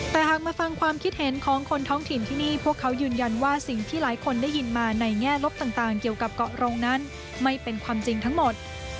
แต่หากมาฟังความคิดเห็นของคนท้องถิ่นที่นี่พวกเขายืนยันว่าสิ่งที่หลายคนได้ยินมาในแง่ลบต่างเกี่ยวกับเกาะรงนั้นไม่เป็นความจริงทั้งหมด